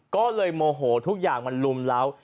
ก็เลยโมโหทุกอย่างมันลุมเล้า